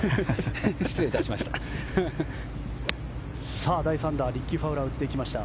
失礼いたしました。